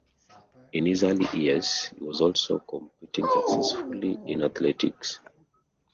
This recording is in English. In his early years, he was also competing successfully in athletics.